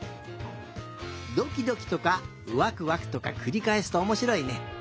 「ドキドキ」とか「ワクワク」とかくりかえすとおもしろいね。